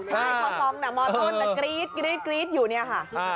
ใช่เพราะฟังหนักมอต้นแต่กรี๊ดอยู่เนี่ยค่ะ